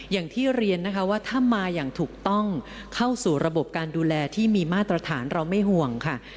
อย่างที่เรียนนะคะว่าถ้ามาอย่างถูกต้องเข้าสู่ระบบการดูแลที่มีมาตรฐานเราไม่ห่วงค่ะ